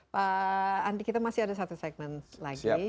pak andi kita masih ada satu segmen lagi